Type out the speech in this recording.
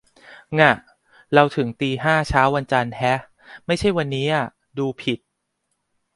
ง่ะ เราถึงตีห้า เช้าวันจันทร์แฮะ ไม่ใช่วันนี้อ่ะ ดูผิด